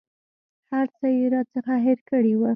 هر څه یې راڅخه هېر کړي وه.